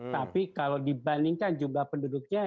tapi kalau dibandingkan jumlah penduduknya